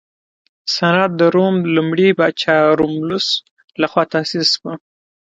سنا د روم لومړي پاچا رومولوس لخوا تاسیس شوه